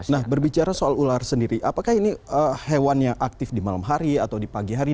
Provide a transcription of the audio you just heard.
nah berbicara soal ular sendiri apakah ini hewan yang aktif di malam hari atau di pagi hari